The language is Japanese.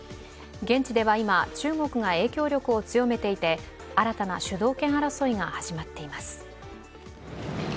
現地では今、中国が影響力を強めていて、新たな主導権争いが始まっています。